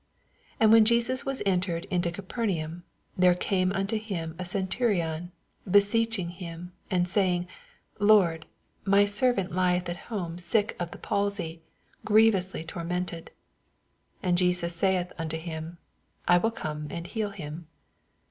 5 And when Josus was entered into Capernaum, there came imto him a centurion, beseeohing him, 6 And saying, Lord, my servanl J UATTHBW, CHAP. YIU. 73 Beth at home sick of the palsy, griev onslj tonnented. 7 And Jesus saith onto him, I will come and heal him.